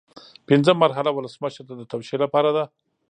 پنځمه مرحله ولسمشر ته د توشیح لپاره ده.